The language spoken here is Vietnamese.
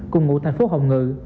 cùng ngụ thành phố hồng ngự